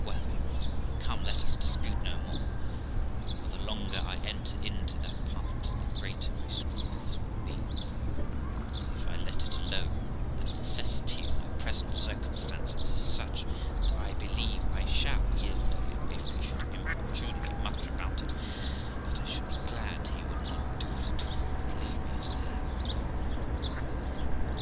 Well, Amy ', said I, ' come, let us dispute no more, for the longer I enter into that part, the greater my scruples will be ; but, if I let it alone, the necessity of my present circumstances is such that I believe I shall yield to him, if he should importune me much about it; but I should be glad he would not do it at all, but leave me as I am.'